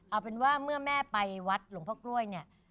เอาเป็นว่าเมื่อแม่ไปวัดหลวงพ่อกล้วยเนี่ย